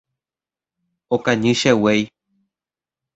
Okañy che guéi.